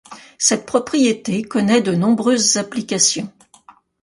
Cette propriété connait de nombreuses applications.